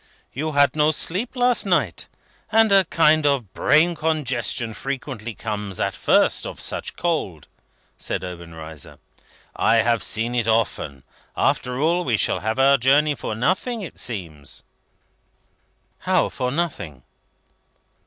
"You had no sleep last night; and a kind of brain congestion frequently comes, at first, of such cold," said Obenreizer. "I have seen it often. After all, we shall have our journey for nothing, it seems." "How for nothing?"